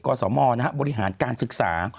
สมบริหารการศึกษา